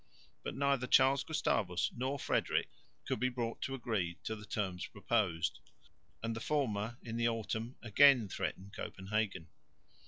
But neither Charles Gustavus nor Frederick could be brought to agree to the terms proposed, and the former in the autumn again threatened Copenhagen.